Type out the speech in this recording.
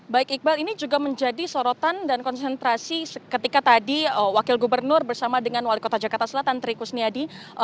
baik iqbal ini juga menjadi sorotan dan konsentrasi ketika tadi wakil gubernur bersama dengan wali kota jakarta selatan trikus niadi